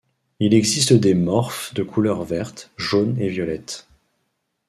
Il existe des morphes de couleur verte, jaune et violette.